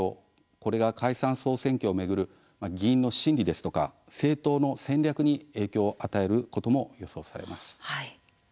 これが解散・総選挙を巡る議員の心理ですとか政党の戦略に影響を与えることも予想されます。